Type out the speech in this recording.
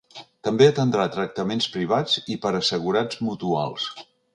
També atendrà tractaments privats i per assegurats mutuals.